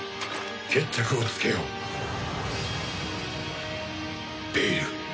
決着をつけようベイル。